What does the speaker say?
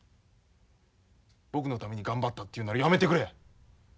僕のために頑張ったというならやめてくれ。